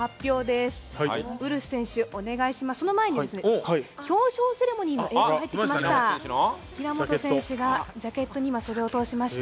その前に表彰セレモニーの様子が入ってきました。